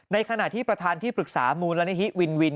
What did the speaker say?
ในขณะที่ประธานที่ปรึกษามูลนิธิวินวิน